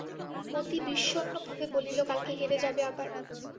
মতি বিষগ্নভাবে বলিল, কালকে হেরে যাবে আবার।